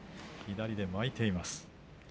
左で巻いています。